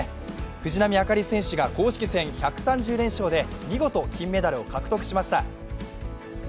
藤波朱理選手が公式戦１３０連勝で見事金メダルを獲得しました。